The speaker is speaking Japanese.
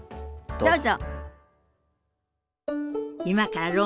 どうぞ。